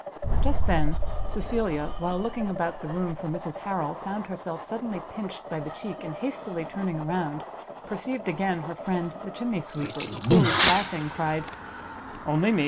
Just then Cecilia, while looking about the room for Mrs Harrel, found herself suddenly pinched by the cheek, and hastily turning round, perceived again her friend the chimney sweeper, who, laughing, cried, "Only me!